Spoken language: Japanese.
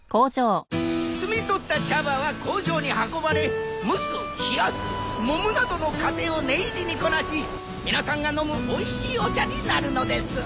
摘み取った茶葉は工場に運ばれ蒸す冷やすもむなどの過程を念入りにこなし皆さんが飲むおいしいお茶になるのです。